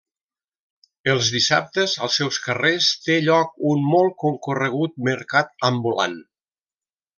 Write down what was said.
Els dissabtes, als seus carrers té lloc un molt concorregut mercat ambulant.